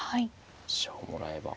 飛車をもらえば。